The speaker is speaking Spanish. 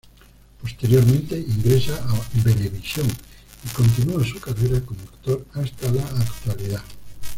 Posteriormente ingresa a Venevisión y continúa su carrera como actor hasta la actualidad.